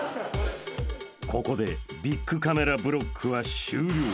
［ここでビックカメラブロックは終了］